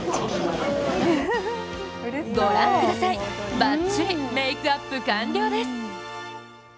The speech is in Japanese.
ご覧ください、バッチリメークアップ完了です。